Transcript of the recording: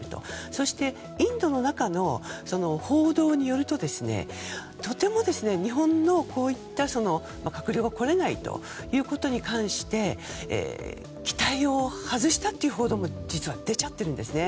そして、インドの中の報道によると日本の閣僚が来られないということに関して期待を外したという報道も出ちゃっているんですね。